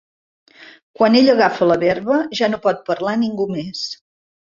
Quan ell agafa la verba, ja no pot parlar ningú més.